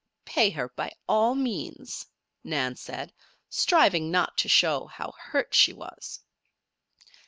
"Pay her by all means," Nan said, striving not to show how hurt she was.